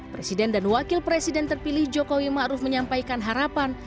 presiden dan wakil presiden terpilih jokowi ma'ruf menyampaikan harapan